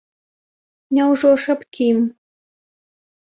Няўжо ж аб кім?